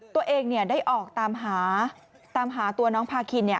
ตัวเองได้ออกตามหาตามหาตัวน้องพาคิน